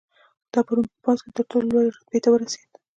دا په روم په پوځ کې تر ټولو لوړې رتبې ته ورسېد